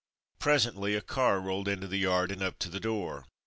Presently a car rolled into the yard and up to the door.